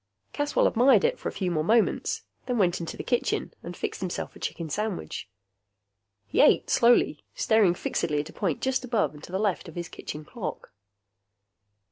Caswell admired it for a few more moments, then went into the kitchen and fixed himself a chicken sandwich. He ate slowly, staring fixedly at a point just above and to the left of his kitchen clock.